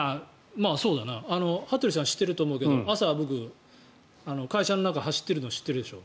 羽鳥さんは知ってると思うけど朝、僕、会社の中を走ってるの知ってるでしょ。